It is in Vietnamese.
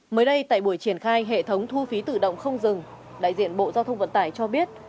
mới đây tại buổi triển khai hệ thống thu phí tự động không dừng đại diện bộ giao thông vận tải cho biết